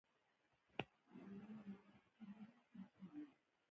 په دې وخت کې سرکه او د لیمو پوټکي لس دقیقې سره وخوټوئ.